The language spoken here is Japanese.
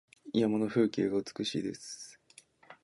山の風景が美しいです。